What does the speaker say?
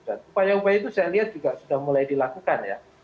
dan upaya upaya itu saya lihat juga sudah mulai dilakukan ya